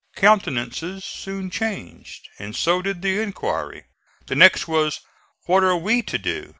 Countenances soon changed, and so did the inquiry. The next was, "What are WE to do?"